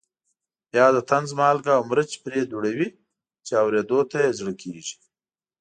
بیا د طنز مالګه او مرچ پرې دوړوي چې اورېدو ته یې زړه کېږي.